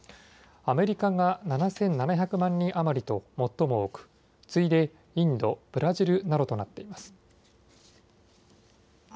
アメリカが７７００万人余りと最も多く、次いでインド、ブラジルなどとなっています。